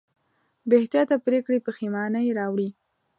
بېاحتیاطه پرېکړې پښېمانۍ راوړي.